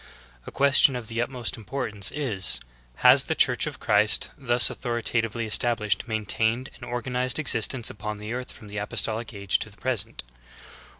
2. A question of the utmost importance is : Has the Church of Christ, thus authoritatively established, maintained an organized existence upon the earth from the apostolic age to the present?